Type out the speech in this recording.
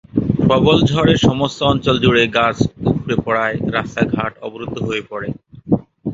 প্রবল ঝড়ে সমস্ত অঞ্চল জুড়ে গাছ উপড়ে পড়ায় রাস্তাঘাট অবরুদ্ধ হয়ে পড়ে।